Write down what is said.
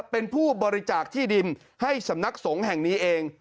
เป็นผู้บริจาคที่ดินให้สำนักสงฆ์แห่งนี้เอง